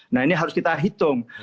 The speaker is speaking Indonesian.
nah ini harus kita hitung